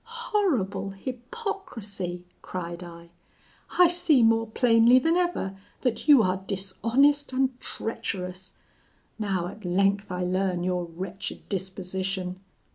'Horrible hypocrisy!' cried I; 'I see more plainly than ever that you are dishonest and treacherous. Now at length I learn your wretched disposition.